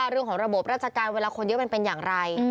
เรื่องของระบบรัจกาลเวลาคนเยอะเป็นอย่างไร